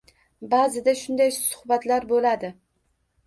Ba'zida shunday suhbatlar bo'ladi